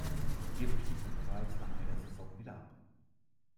Jedoch stieg man bereits nach einer Saison wieder ab.